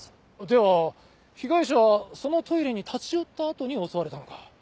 では被害者はそのトイレに立ち寄った後に襲われたのか。